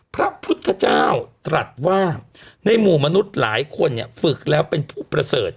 พระพุทธเจ้าตรัสว่าในหมู่มนุษย์หลายคนเนี่ยฝึกแล้วเป็นผู้ประเสริฐ